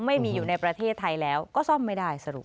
ไม่มีอยู่ในประเทศไทยแล้วก็ซ่อมไม่ได้สรุป